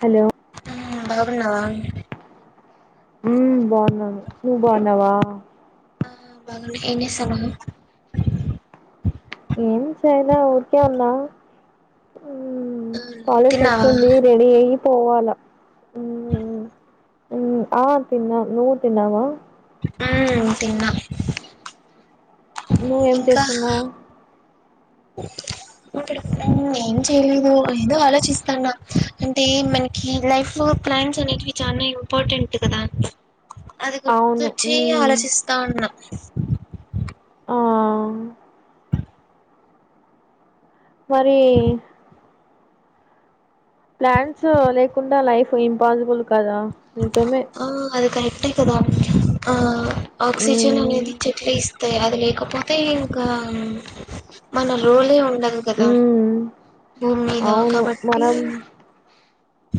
Hello బాగున్నావా ఉ బాగున్నాను నువ్ బాగున్నావా ఆ బాగున్న ఏం చేస్తానవు ఏం చెలే ఊరికె వున్నా మ్మ్ ఆ కాలేజీ ఫెస్ట్ తిన్నావా ఉంది రెడీ అయి పోవాల ఆ తిన్నా నువ్వు తిన్నావా ఉమ్ తిన్నా నువ్వేం ఇంకా చేస్తున్నావ్ ఇప్పుడు మ్ ఏం చేయలేదు ఏదో ఆలోచిస్తాన్న అంటే మనకి లైఫ్ ప్లాన్స్ అనేటివి చాలా ఇంపార్టెంట్ కదా అది అవును గుర్తొచ్చి మ్మ్ ఆలోచిస్తా ఉన్నా ఆ మరీ ప్లాన్స్ లేకుండా లైఫ్ ఇంపాజిబుల్ కదా నిజమే ఆహ్ అది కరెక్టే కదా మ్మ్ ఆ ఆక్సిజన్ మ్మ్ అనేది చెట్లే ఇస్ టె అది లేకపోతే ఇంకా మన రోలే ఉన్ డదు కదా మ్మ్ బూమ్ మీద కాబట్టి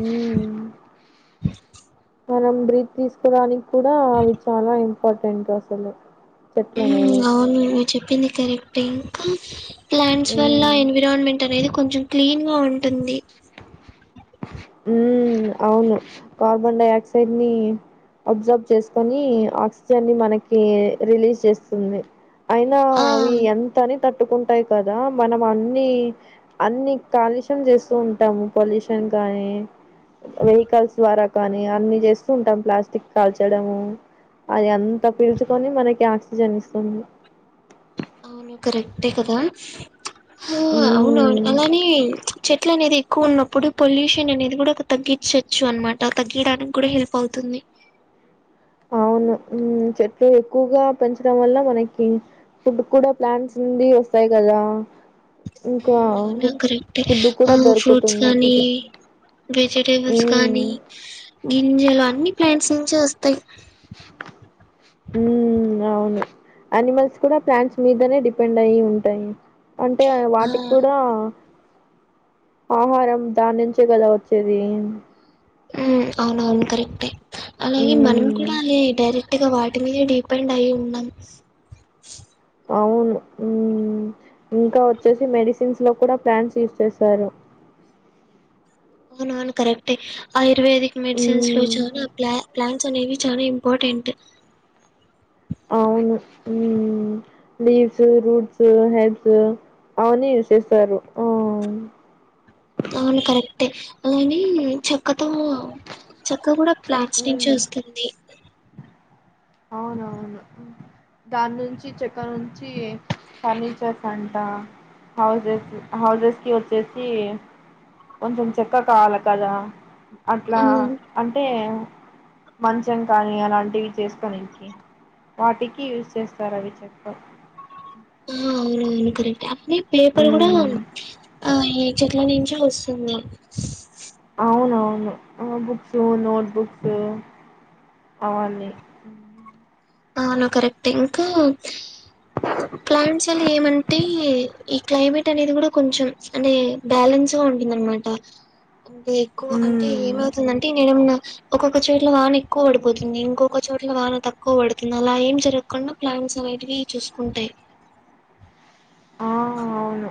ఉమ్ మనం బ్రీత్ తీసుకోడానిక్ కూడా అవి చాలా ఇంపార్టెంట్ అసలు చెట్లు ఉమ్ అనేవి అవును నువ్ చెప్పింది కరెక్ట్ ఏ ఇంకా ప్లాంట్స్ వల్ల ఉమ్ ఎన్విరాన్మెంట్ అనేది కొంచెం క్లీన్గా ఉంటుంది ఉమ్ ఔను కార్ బన్ డయాక్సైడ్ ని అబ్ సబ్ చేస్ కొని ఆక్ సిజన్ ని మనకీ రిలీజ్ చేస్తుంది అయినా ఆ అవి ఎంత్తని తట్ టుకున్ టాయ్ కదా మనం అన్ని అన్ని కాలుషమ్ జేస్ ఉంటాము పొల్ యుష్ కింకానే వెహికల్స్ ద్వారా కనీ అన్ని చేస్తూ ఉంటం ప్లాస్టిక్ కాల్చడము అది అంత పీల్చుకొని మనకి ఆక్సిజన్ ఇస్తుంది. అవును కరెక్టే కదా హ హ్ ఔనవున్ ఉమ్ అలానే చెట్ ట్ల అనేది కు ఉన్నప్పుడు పొల్ యుషన్ అనేది గూడా కొత్ తగ్గిచచ్చు అన్ మాట తగ్గియ్ డాన్ కి గుడా హెల్ పవ్ తుంది ఔను ఉమ్ చెట్లు ఎక్కుగా పెంచడం వల్ల మనకి ఫుడ్ కూడా ప్లాన్ ట్స్ నుండి వస్తయి కదా ఇంకా హ్మ్ ఔను కరెక్టే ఫుడ్ కూడా ఆ ఫ్రూట్స్ దొరుకుతుంది కానీ వెజిటేబుల్స్ మ్మ్ కానీ గింజలు అన్ని ప్లాంట్స్ నుంచే వస్తయి బ్లాంక్ ఉమ్మ్ ఔను యనిమల్స్ కూడా ప్లాంట్స్ మీదనే డిపెండ్ అయి ఉంటాయి అంటే ఎ ఆ వాటిక్ కూడా ఆహారం దాన్ నించే గదా వచ్చేదీ హ్మ్మ్ ఔవ్ ఔను కరెక్టే అలాగే మనమ్ మ్మ్ కూడా అలే డైరేట్ ఇక వాట్ మీద్ డిపెండ్ అయి ఉన్నం ఔను ఉమ్ ఇంకా వచ్చేసి మెడిసేన్ స్ లో కూడా ప్లాంట్స్ యూస్ చేస్తారు బ్లాంక్ ఔన్ ఔను కరక్టే Ayurvedic medicines లో మ్మ్ చోన ప్లా ప్లాంట్స్ అనేవి చాలా ఇంపొటెంటు ఔను ఉమ్ లీవ్ సు రూట్ సు హెబ్ సు ఉ ఆ వన్ని యూస్ చేస్తారు ఆ ఔను కరక్టే అలానే చెక్కతో ఓ చెక్క గుడాక్ ప్లాంట్స్ నించే మ్మ్ ఓస్తుంది ఔన్ ఔవును దాన్ నుంచి చెక్క నుంచి ఈ ఫర్ నిచర్స్ అంట హౌజెస్ సు హౌజేస్ కి ఓచ్చేసి కొంచమ్ చెక్క కావాల కదా అట్లా ఉమ్ అంటే మంచం కానీ అలాంటివి చేస్ పనికి వాటికి యూస్ చేస్తరు అవి చెక్క ఔన్ ఔవున్ కరక్ట్ అట్ నే పేపర్ గూడ ఉమ్, మ్ ఆ ఈ చెట్ల నించే ఓస్తుంద ఔనవ్ ను అ books notebooks అవన్ని ఔను కరెక్టె ఇంకా హం ప్లాంట్స్ లే ఏమంటే ఈ క్లాయి మేట్ అనేద్ గూడ కొంచమ్ చ్ అంటే బ్యాలెన్ సో ఉంటిన్ దిన్ మాట అంటే ఎక్కువ అంటే హ్మ్ ఏమత్ సుందంటే నేనే ఉన్నా ఒకొక చోట్ల వాన ఎక్కు బడిపోతుంది ఇంకొక చోట్ల వాన తక్కు పడుద్ నాల ఏం జరగ్ కుండా ప్లాంట్స్ అనేటివి చూస్ కుంటయి ఆ అవును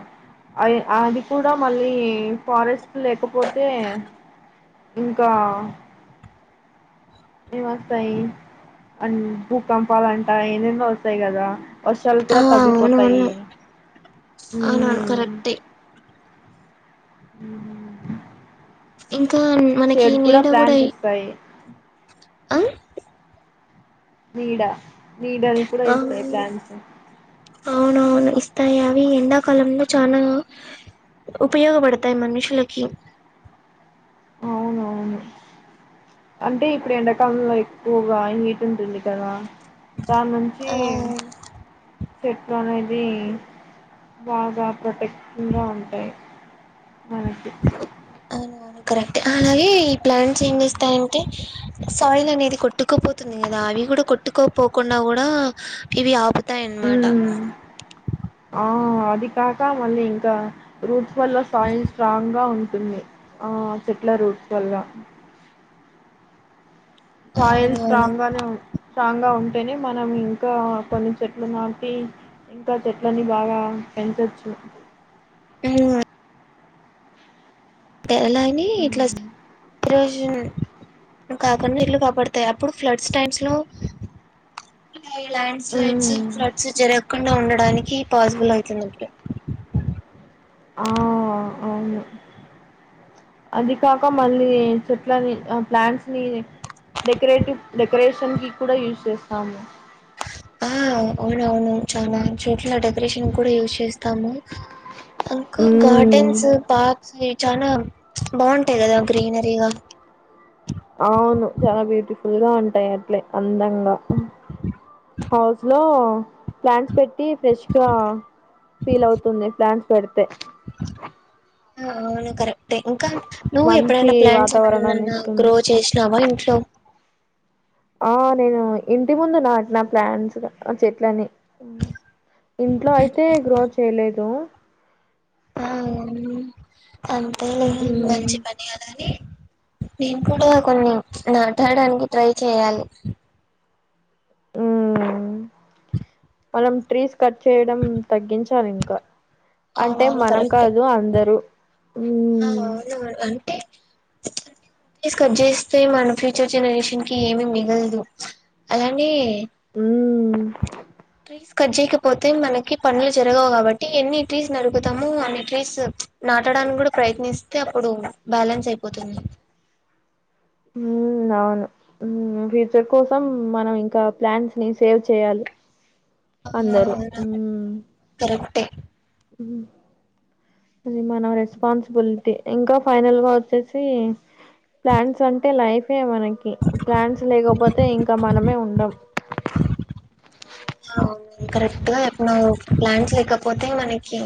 అయి అది కూడా మళ్ళీ ఫారెస్ట్ లేకపోతే ఇంకా ఆ ఇవ్ వస్తయి అండ్ భూపంపాలంట ఏమేమో వస్తయి గదా వర్ శాలు ఆ కూడ అవునవును తగ్గిపోతాయి అవునవును హుమ్ కరెక్టే హుమ్ ఇంకా మనకి చేడూ కుడ నీడ కూడా ప్లాంట్స్ ఇ- ఇస్తాయి ఆ నీడ నీడని కూడా ఆ ఇస్తాయి ప్లాంట్స్ అవునవును ఇస్తాయి అవి ఎండాకాలంలో చానా ఉపయోగపడతాయి మనుషులకి అవును అవును అంటే ఇపుడు ఎండాకాలంలో ఎక్కుగా ఎమ్ హీట్ టుంటుంది కదా దాన్ నుంచి ఆ చెట్లు అనేది బాగా ప్రొటెట్ ఇంగా ఉంటయి మనకి కరెక్ట్ అలాగే ఈ ప్లాంట్స్ ఏం చేస్తాయంటే? సాయిల్ అనేది కొట్టుకోపోతుంది కదా. అవి కూడా కొట్టుకోపోకుండా కూడా ఇవి ఆపు త్తయ్యాన్నమాట ఉ అది కాక మళ్ళీ ఇంకా రూట్స్ వల్ల సోయిల్ స్ట్రాంగ్గా ఉంటుంది. ఆ చెట్ల రూట్స్ వల్ల సోయిల్ అవునవును స్ట్రాంగ్ గానే ఉన్ స్ట్రాంగ్ గా ఉం టేనే మనం ఇంకా కొన్ని చెట్లు నాటి ఇంకా చెట్లని బాగా పెంచచ్చు. ఇంగ తెల్లని ఇట్లాజ్ ఈరోజు కాకుండా ఇట్లు కాపాడతాయి అప్పుడు ఫ్లడ్స్ టైమ్స్ లో. ఈ ల్యాండ్ స్లైడ్స్, మ్మ్ ఫ్లడ్స్ జరగ్ కుండా ఉండడానికి పాసిబుల్ అవుతుందిప్పుడు ఆ అవును అది కాక మళ్ళీ చెట్లని, ఆ ప్లాంట్స్ ని డెకరేటివ్ డెకరేషన్ కి కూడా యూజ్ చేస్తాము. ఆ అవునవును చాల చోట్లా డెక్ రేషన్ కూడా యూజ్ చేస్తాము. అంక మ్మ్ గార్డెన్స్ పాప్స్ ఏ చానా బావుంటాయి గదా గ్రీనరీగా అవును చాలా బ్యూటిఫుల్ గా ఉంటాయి అట్లే అందంగా. హౌస్ లో ప్లాంట్స్ పెట్టి ఫ్రెష్ గా ఫీల్ అవుతుంది ప్లాంట్స్ పెడితే ఆ అవును కరే క్టే ఇంకా నువ్వు మంచి ఎప్పుడైనా ప్లాంట్స్ వాతావరణాన్ని ఎమన్నా ఇస్తుంది గ్రో చేసినావా ఇంట్లో? ఆ నేను ఇంటి ముందు నాటిన ప్లాంట్సగా చేట్లనీ ఇంట్లో అయితే గ్రోత్ చేయలేదు. ఆ అవును అంతేలే మ్మ్ మంచిపని గదా అని నేను కూడా కొన్ని చ్ నాటాడానికి ట్రై చేయాలి. ఉమ్ మనం ట్రీస్ కట్ చేయడం తగ్గించాలి ఇంకా. అంటే అవునవును మనం కరెక్టే కాదు అందరూ ఆ మ్ ట్రీ స్కట్ చేస్తే మన ఫ్యూచర్ జనరేషన్ కి ఏ మిగలదు అలానే ఉమ్ ట్రీస్ కట్ చేయకపోతే మనకి పనులు జరగవు కాబట్టి ఎన్ని ట్రీస్ నరుకుతాము. అన్ని ట్రీస్ నా నాటడానికి కూడా ప్రయత్నిస్తే అప్పుడు బ్యాలెన్స్ అయిపోతుంది. ఉమ్ అవును ఫ్యూచర్ కోసం మనం ఇంకా ప్లాంట్స్ ని సేవ్ చేయాలి. అందరూ ఆ మ్ కరెక్టే ఉమ్ అది మన రెస్పాన్సిబిలిటీ ఇంకా ఫైనల్ గా వచ్చేసి ప్లాంట్స్ అంటే లైఫే మనకి ప్లాంట్స్ లేకపో తే ఇంకా మనమే ఉండం ఔను కరెక్ట్ గా చొప్నావ్ ప్లాంట్స్ లేకపోతే మనకి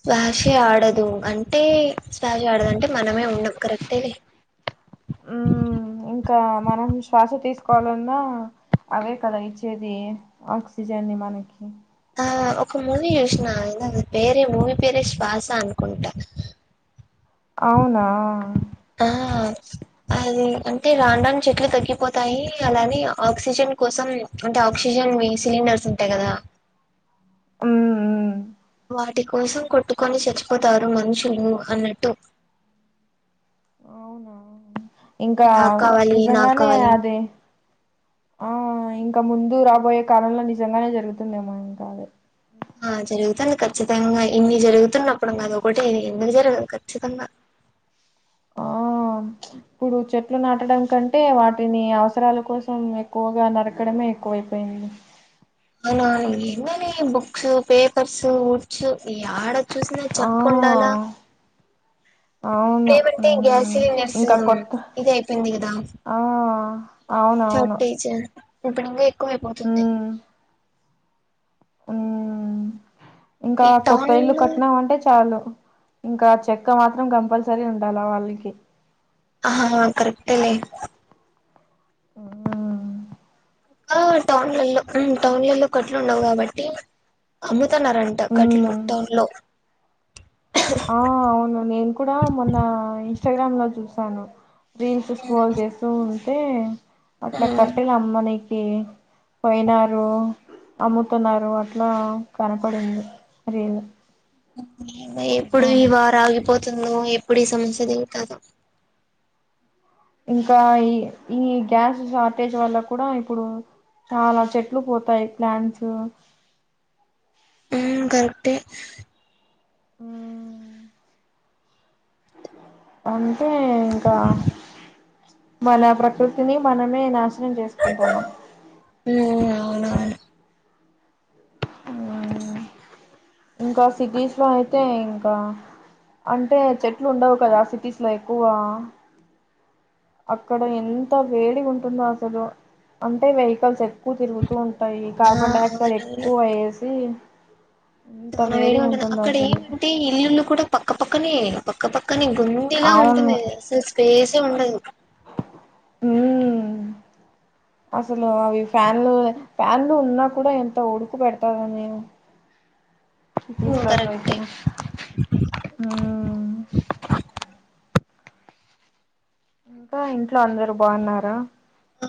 శ్వాసే ఆడదు అంటే శ్వాష ఆడదు అంటే మనమే ఉండం కరెక్టే లే హ్మ్ ఇంకా మనం శ్వాస తీసుకోవాలన్నా అవే కదా ఇచ్చేది ఆక్సిజన్ని మనకి ఆ ఒక మూవీ యెష్ నాయిన నా పేరే మూవీ పేరే శ్వాస అనుకుంట. అవునా డ అది అంటే రాన్ రాన్ చెట్లు తగ్గిపోతాయి అలాని ఆక్సిజన్ కోసం అంటే ఆక్సిజన్ వీ సిలిండర్స్ ఉంటాయి కదా హ్మ్ హ్మ్ వాటి కోసం కొట్టుకొని శచ్చిపోతారు మనుషులు అన్నట్టు అవునా ఇంకా నాకు కావాలి నాకు నిజంగానే కావాలి అది ఆ ఇం క ముందు రాబోయే కాలంలో నిజంగానే జరుగుతుందేమో ఇంకా అది ఆ జరుగుతంది ఖచ్చితంగా ఇన్ని జరుగుతున్నప్పుడు అది ఒకటే ఎందుకు జరగదు ఖచ్చితంగా ఓం ఇప్పుడు చెట్లు నాటడం కంటే వాటిని అవసరాల కోసం ఎక్కువగా నరకడమే ఎక్కువైపోయింది అవునవును ఎందోనే బుక్సు పేపర్స్ ఉడ్స్ యాడ చూసినా ఆ చక్కుండాలా అవును లేవంటే గ్యాస్ మ్మ్ సిలిండర్స్ ఇంకా కొత్త ఇది అయిపేయింది గదా ఆ అవునవును షార్టెజా ఇపుడు ఇంగ ఎక్కువైపోతుంది హ్మ్ ఇంకా ఈ కొత్త టౌన్ ఇల్లు లో కట్నామంటే చాలు ఇంకా చెక్క మాత్రం కంపల్సరీ ఉండాల వాల్కి ఆహా హా కరెక్టేలే హ్మ్ కా టౌన్లలో హ్మ్ టౌన్లల్లో కట్లు ఉండవు గాబట్టి అమ్ తన్నారంట కట్లు మ్మ్ టౌన్ లో ఆ అవును నేను కూడా మొన్నా ఇన్స్టాగ్రామ్ లో చూసాను రీల్స్ స్క్రోల్ చేస్తూ ఉంటే అట్లా ఉమ్ కట్టెలమ్మనీకి పొయినారు అమ్ముతున్నారు అట్లా కనపడింది రీల్ ఎప్పుడు ఈ చూసాను వార్ ఆగిపో తుందో ఎప్పుడు ఈ సమస్య దీర్తదో ఇంకా ఈ ఈ గ్యాస్ షార్టేజ్ వల్ల కూడా ఇపుడు చాలా చెట్లు పోతాయ్ ప్లాంట్సు హ్మ్ కరెక్టే హ్మ్ అంతే ఇంకా మన ప్రకృతిని మనమే నాశనం జేస్కుంటన్నం ఉమ్ అవునవును హ్మ్ ఇంకా సిటీస్ లో అయితే ఇంకా అంటే చెట్లుండవ్ కదా సిటీస్ లో ఎక్కువా అక్కడ ఎంత వేడిగుంటుందో అసలు అంటే వెయికల్స్ ఎక్కువ్ తిరుగుతూ ఉ టయి ఆ కార్బన్ డైఆక్సైడ్ అవునవును ఎక్కువయేసి చానా వేడిగా ఉంటుద్ అసలు అక్కడేమంటే ఇల్లుల్లు కూడా పక్కపక్కనే పక్క పక్ కనీ గొందిలా అవును ఉంటుంది అసల్ స్పేసే ఉండదు హ్మ్ అసలు అవి ఫ్యాన్లు ఫ్యాన్లు ఉన్నా కూడా ఎంత ఉడుకుబెడ్తదనీ హీట్లలో కరెక్టే అయితే హ్మ్ ఇంకా ఇంట్లో అందరు బాన్నారా ఆ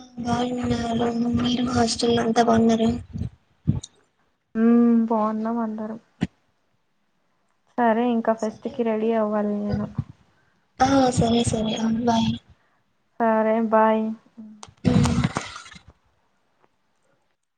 బావున్నారు మీరు హాస్టల్లో అంతా బాన్నారా ఉమ్ బావున్నాం అందరం సరే ఇంకా సరే ఫెస్ట్కి అయితే రడీ అవ్వాలి నేను ఆ సరే సరే ఉమ్. మ్ బాయ్ సరే బాయ్ ఉమ్.